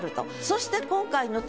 そして。